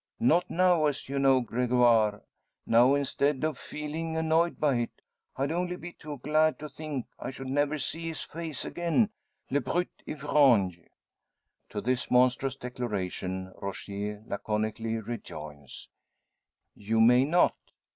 Not now, as you know, Gregoire. Now, instead of feeling annoyed by it, I'd only be too glad to think I should never see his face again. Le brute ivrogne!" To this monstrous declaration Rogier laconically rejoins: "You may not."